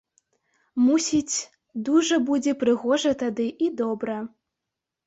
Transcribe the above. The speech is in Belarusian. Мусіць, дужа будзе прыгожа тады і добра.